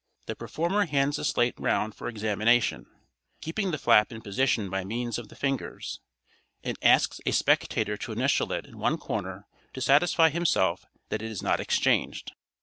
The performer hands the slate round for examination (keeping the flap in position by means of the fingers), and asks a spectator to initial it in one corner to satisfy himself that it is not exchanged.